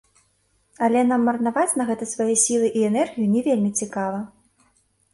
Але нам марнаваць на гэта свае сілы і энергію не вельмі цікава.